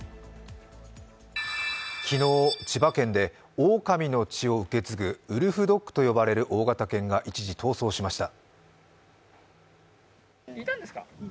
昨日、千葉県でオオカミの血を受け継ぐウルフドッグと呼ばれる大型犬が一時逃走しました。